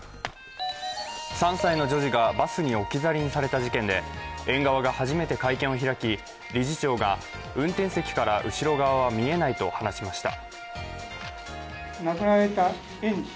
３歳の女児がバスに置き去りにされた事件で園側が初めて会見を開き、理事長が運転席から後ろ側は見えないと話しました。